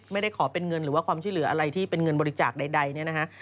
ไม่ได้ขอเป็นเงินหรือว่าความช่วยเหลืออะไรที่เป็นเงินบริจาคใดเนี่ยนะฮะ